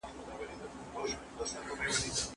باید له نړۍ سره سیالي وکړو.